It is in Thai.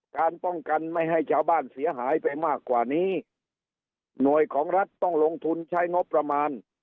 การป้องกันไม่ให้ชาวบ้านเสียหายไปมากกว่านี้หน่วยของรัฐต้องลงทุนใช้งบประมาณ